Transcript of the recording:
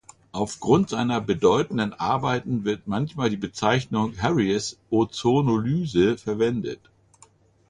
Aufgrund seiner bedeutenden Arbeiten wird manchmal die Bezeichnung "Harries-Ozonolyse" verwendet.